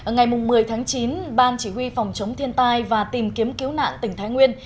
ngày một mươi tháng chín ban chỉ huy phòng chống thiên tai và tìm kiếm cứu nạn tỉnh thái nguyên